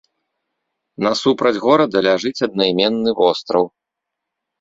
Насупраць горада ляжыць аднайменны востраў.